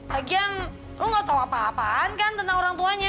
lagian lu gak tau apa apaan kan tentang orang tuanya